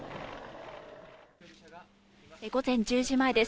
午前１０時前です。